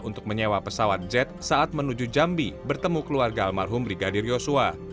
untuk menyewa pesawat jet saat menuju jambi bertemu keluarga almarhum brigadir yosua